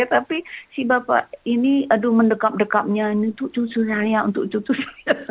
tapi si bapak ini aduh mendekap dekapnya ini cucu cucunya untuk cucu saya